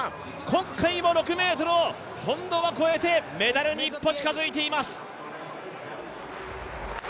今回も６ｍを、今度は超えてメダルに一歩近づいています。